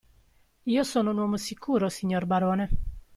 Io sono un uomo sicuro, signor barone.